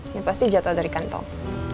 yang pasti jatuh dari kantong